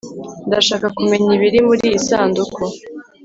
ndashaka kumenya ibiri muriyi sanduku